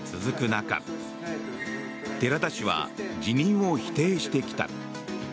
中寺田氏は辞任を否定してきた。